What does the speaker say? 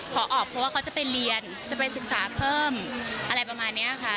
ขอออกเพราะว่าเขาจะไปเรียนจะไปศึกษาเพิ่มอะไรประมาณนี้ค่ะ